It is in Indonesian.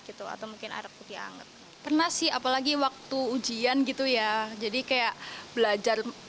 gitu atau mungkin air putih hangat pernah sih apalagi waktu ujian gitu ya jadi kayak belajar